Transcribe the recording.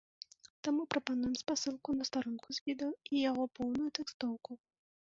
Таму прапануем спасылку на старонку з відэа і яго поўную тэкстоўку.